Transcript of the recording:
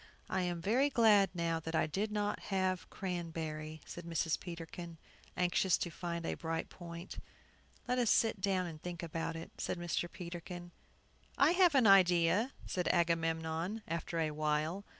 "I am very glad now that I did not have cranberry," said Mrs. Peterkin, anxious to find a bright point. "Let us sit down and think about it," said Mr. Peterkin. "I have an idea," said Agamemnon, after a while.